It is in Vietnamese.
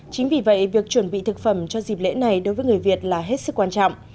chính vì vậy việc chuẩn bị thực phẩm cho dịp lễ này đối với người việt là hết sức quan trọng